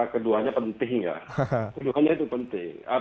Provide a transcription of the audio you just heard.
keduanya penting ya keduanya itu penting